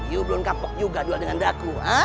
you belum kapok juga dengan raku